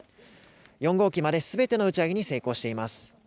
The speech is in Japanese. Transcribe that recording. ４号機まですべての打ち上げに成功しています。